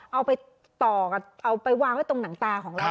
เอาไปต่อกันเอาไปวางไว้ตรงหนังตาของเรา